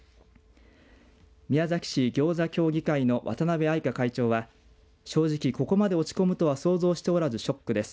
宮崎市ぎょうざ協議会の渡辺愛香会長は正直ここまで落ち込むとは想像しておらずショックです。